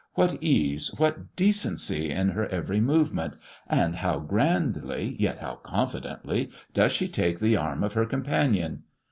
What ease, what decency in her every movement; and how grandly, yet how confidently, does she take the arm of her companion!